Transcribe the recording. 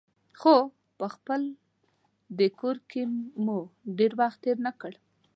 خو په خپل دې کور کې مو ډېر وخت تېر نه کړ.